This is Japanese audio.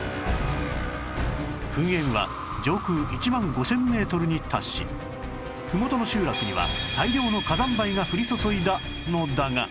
噴煙は上空１万５０００メートルに達し麓の集落には大量の火山灰が降り注いだのだが